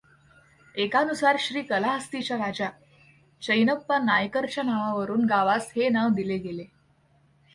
एकानुसार श्रीकलाहस्तीच्या राजा चेन्नैअप्पा नायकरच्या नावावरुन गावास हे नाव दिले गेले.